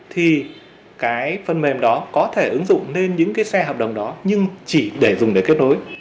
thì cái phần mềm đó có thể ứng dụng nên những cái xe hợp đồng đó nhưng chỉ để dùng để kết nối